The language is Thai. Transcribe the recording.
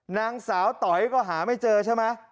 นางสาวต๋อยก็หาไม่เจอใช่ไหม